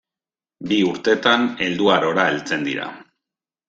Bi urteetan helduarora heltzen dira.